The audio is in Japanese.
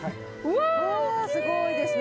わすごいですね